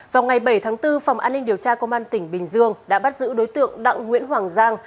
vào ngày bảy tháng bốn phòng an ninh điều tra công an tỉnh bình dương đã bắt giữ đối tượng đặng nguyễn hoàng giang